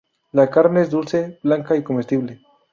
La carne es dulce, blanca y comestible.